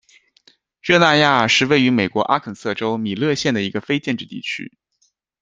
热那亚是位于美国阿肯色州米勒县的一个非建制地区。